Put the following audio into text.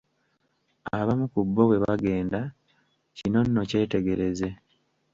Abamu ku bo bwe bagenda, kino no kyetegereze.